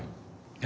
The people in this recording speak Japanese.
え？